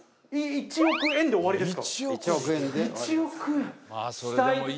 １億円で終わりです。